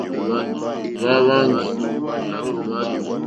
Hwá hwáŋɡè.